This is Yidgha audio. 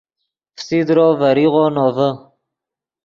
فسیدرو ڤریغو نوڤے